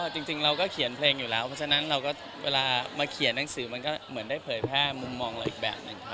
จริงเราก็เขียนเพลงอยู่แล้วเพราะฉะนั้นเราก็เวลามาเขียนหนังสือมันก็เหมือนได้เผยแพร่มุมมองเราอีกแบบหนึ่ง